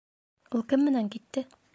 Ул кем менән китте?